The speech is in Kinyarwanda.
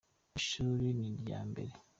ishuri niryambere